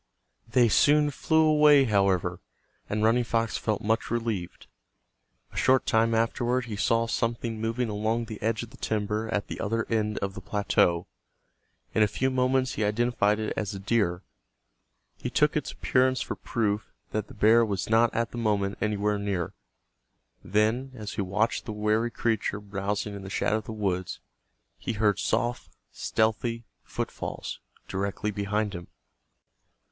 They soon flew away, however, and Running Fox felt much relieved. A short time afterward he saw something moving along the edge of the timber at the other end of the plateau. In a few moments he identified it as a deer. He took its appearance for proof that the bear was not at the moment anywhere near. Then, as he watched the wary creature browsing in the shadow of the woods, he heard soft, stealthy footfalls directly behind him.